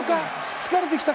疲れてきた？